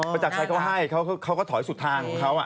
ประจักรชัยเขาให้เขาก็ถอยสุดทางของเขา